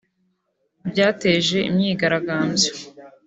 Byateje imyigaragambyo